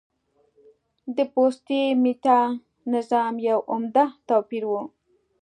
د پوتسي میتا نظام یو عمده توپیر و